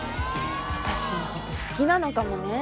私のこと好きなのかもね